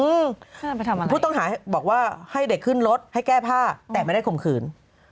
อืมผู้ต้องหาบอกว่าให้เด็กขึ้นรถให้แก้ผ้าแต่ไม่ได้ข่มขืน